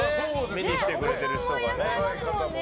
見に来てくれてる人がね。